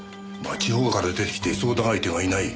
地方から出てきて相談相手がいない。